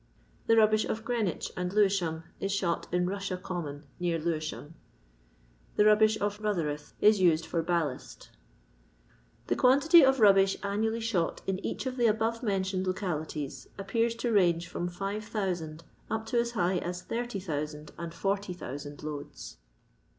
The rubbish of Greenwich and Lewisham is shot in Russia common, near Lewisham. The rubbish of Rotherhithe is used for ballast The quantity of rubbish annually shot in each of the above mentioned localities appears to range from 5000 up to as high as 30,000 and 40,000 loads.